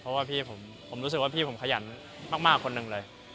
เพราะว่าพี่ผมรู้สึกว่าพี่ผมขยันมากคนหนึ่งเลย